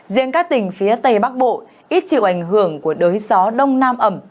riêng các tỉnh phía tây bắc bộ ít chịu ảnh hưởng của đới gió đông nam ẩm